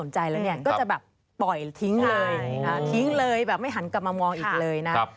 ฉันกลับมามองอีกเลยนะ